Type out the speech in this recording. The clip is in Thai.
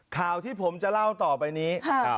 ข่าวที่ผมจะเล่าต่อไปนี้